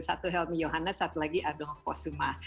satu helmy yohannes satu lagi adolfo summa